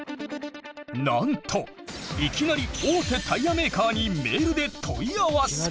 なんといきなり大手タイヤメーカーにメールで問い合わせ！